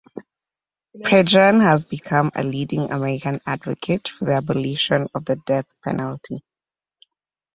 Prejean has become a leading American advocate for the abolition of the death penalty.